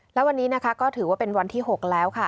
และวันนี้นะคะก็ถือว่าเป็นวันที่๖แล้วค่ะ